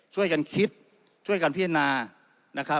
ช่วยกันคิดช่วยกันพิจารณา